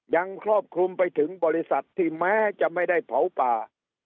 ครอบคลุมไปถึงบริษัทที่แม้จะไม่ได้เผาป่า